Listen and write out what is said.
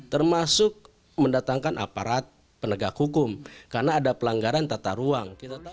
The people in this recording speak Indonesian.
termasuk mendatangkan aparat penegak hukum karena ada pelanggaran tata ruang